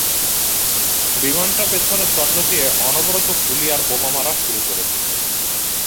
বিমানটা পেছনের দরজা দিয়ে অনবরত গুলি আর বোমা মারা শুরু করেছিল।